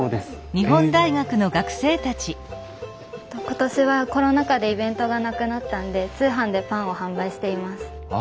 今年はコロナ禍でイベントがなくなったんで通販でパンを販売しています。